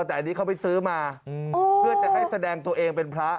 แต่อันนี้เขาไปซื้อมาเพื่อจะให้แสดงตัวเองเป็นพระ